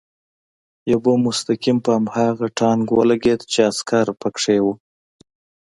یو بم مستقیم په هماغه ټانک ولګېد چې عسکر پکې و